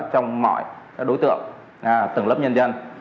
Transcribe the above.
trong mọi đối tượng từng lớp nhân dân